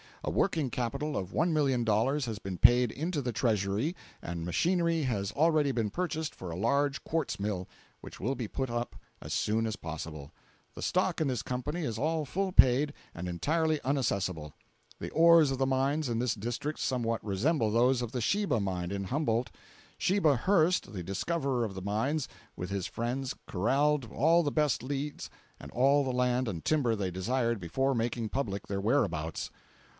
A working capital of $1,000,000 has been paid into the treasury, and machinery has already been purchased for a large quartz mill, which will be put up as soon as possible. The stock in this company is all full paid and entirely unassessable. The ores of the mines in this district somewhat resemble those of the Sheba mine in Humboldt. Sheba Hurst, the discoverer of the mines, with his friends corralled all the best leads and all the land and timber they desired before making public their whereabouts.